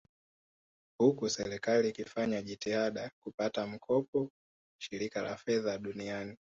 Huku serikali ikifanya jitihada kupata mkopo Shirika la Fedha Duniani